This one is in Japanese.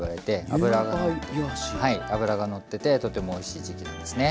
脂がのっててとてもおいしい時期なんですね。